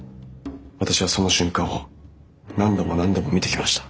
私はその瞬間を何度も何度も見てきました。